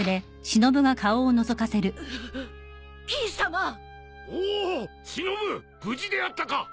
しのぶ無事であったか。